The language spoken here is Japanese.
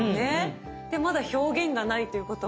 まだ表現がないということは。